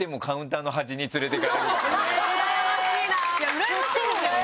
うらやましいですよね！